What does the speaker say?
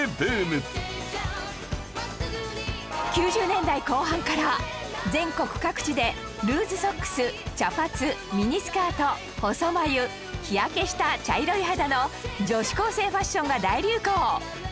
９０年代後半から全国各地でルーズソックス茶髪ミニスカート細眉日焼けした茶色い肌の女子高生ファッションが大流行